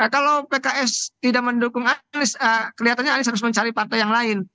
kalau pks tidak mendukung anies kelihatannya anies harus mencari partai yang lain